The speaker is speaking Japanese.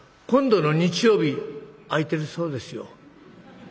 今度の日曜日空いてるそうですよ。